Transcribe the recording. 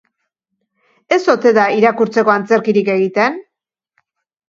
Ez ote da irakurtzeko antzerkirik egiten?